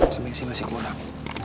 semasih masih kurang